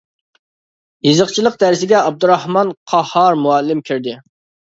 يېزىقچىلىق دەرسىگە ئابدۇراخمان قاھار مۇئەللىم كىردى.